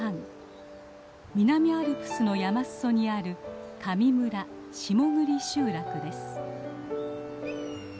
南アルプスの山すそにある上村下栗集落です。